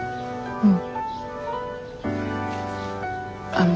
うん。